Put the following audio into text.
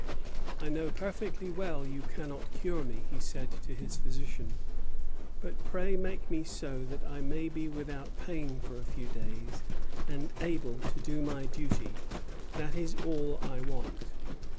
"I know perfectly well you cannot cure me," he said to his physician; "but pray make me up so that I may be without pain for a few days, and able to do my duty: that is all I want."